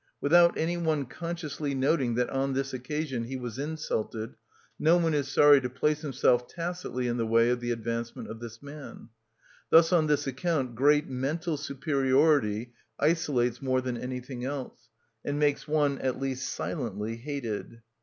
Without any one consciously noting that on this occasion he was insulted, no one is sorry to place himself tacitly in the way of the advancement of this man. Thus on this account great mental superiority isolates more than anything else, and makes one, at least silently, hated.